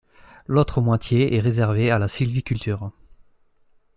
L'autre moitié est réservée à la sylviculture.